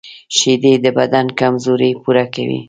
شیدې د بدن کمزوري پوره کوي